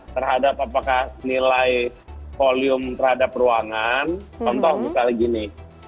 terhadap apakah nilai volume terhadap ruangan contoh misalnya gini